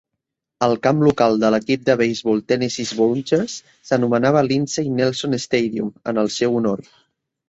El camp local de l'equip de beisbol Tennessee Volunteers s'anomenava Lindsey Nelson Stadium en el seu honor.